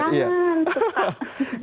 oh tengkleng kangen susah